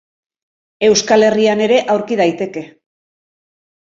Euskal Herrian ere aurki daiteke.